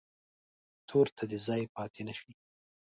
تور ته دې ځای پاتې نه شي.